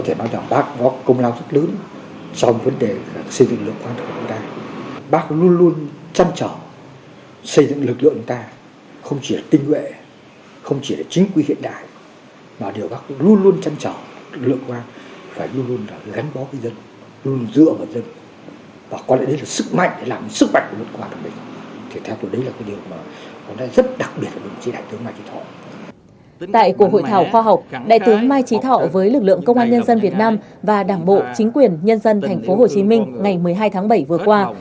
tại cuộc hội thảo khoa học đại tướng mai trí thọ với lực lượng công an nhân dân việt nam và đảng bộ chính quyền nhân dân tp hcm ngày một mươi hai tháng bảy vừa qua